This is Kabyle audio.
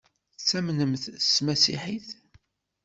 Tettamnemt s tmasiḥit?